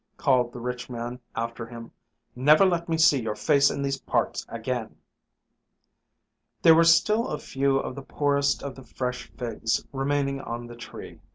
called the rich man after him. "Never let me see your face in these parts again!" There were still a few of the poorest of the fresh figs remaining on the tree.